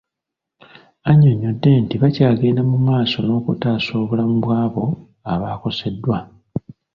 Annyonnyodde nti bakyagenda mu maaso n'okutaasa obulamu bw'abo abakoseddwa .